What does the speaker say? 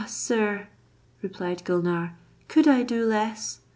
sir," replied Gulnare "could I do less?